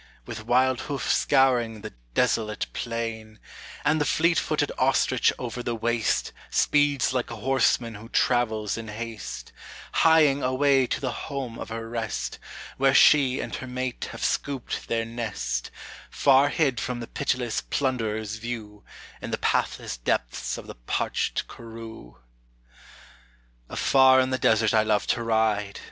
With wild hoof scouring the desolate plain; And the fleet footed ostrich over the waste Speeds like a horseman who travels in haste, Hieing away to the home of her rest, Where she and her mate have scooped their nest, Far hid from the pitiless plunderer's view In the pathless depths of the parched karroo. Afar in the desert I love to ride.